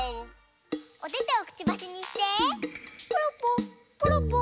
おててをくちばしにしてポロッポーポロッポー。